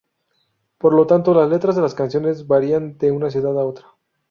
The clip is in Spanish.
Por lo tanto, las letras de las canciones varían de una ciudad a otra.